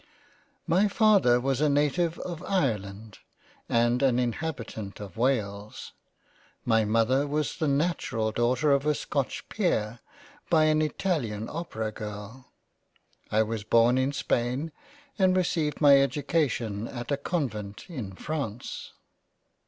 My Father was a native of Ireland and an inhabitant of Wales ; my Mother was the natural Daughter of a Scotch Peer by an italian Opera girl — I was born in Spain and received my Education at a Convent in France.